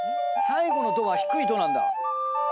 最後のドは低いドなんだ？